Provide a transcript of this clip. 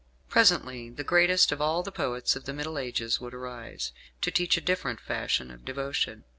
Presently the greatest of all the poets of the Middle Ages would arise, to teach a different fashion of devotion.